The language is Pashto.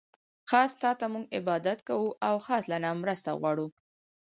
خاص تاته مونږ عبادت کوو، او خاص له نه مرسته غواړو